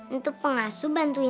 untuk pengasuh bantuin ayah